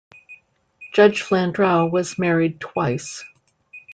Judge Flandrau was married twice.